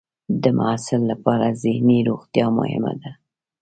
د محصل لپاره ذهني روغتیا مهمه ده.